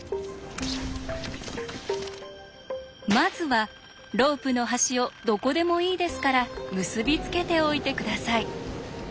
まずはロープの端をどこでもいいですから結び付けておいて下さい。